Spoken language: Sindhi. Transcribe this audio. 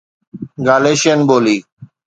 گاليشين ٻولي